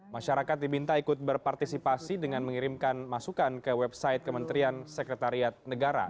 masyarakat diminta ikut berpartisipasi dengan mengirimkan masukan ke website kementerian sekretariat negara